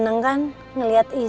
jangan mengingatkan aku